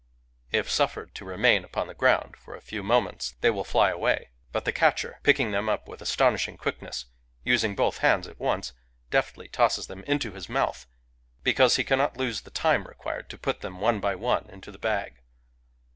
If suffered to remain upon the ground for a few moments, they will Digitized by Googk 146 FIREFLIES fly away. But the catcher, picking them up with astonishing quickness, using both hands at once, deftly tosses them info bis mouth — because he cannot lose the time required to put them, one by one, into the bag.